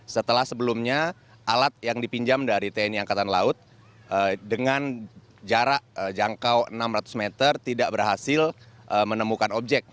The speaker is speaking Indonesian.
setelah sebelumnya alat yang dipinjam dari tni angkatan laut dengan jarak jangkau enam ratus meter tidak berhasil menemukan objek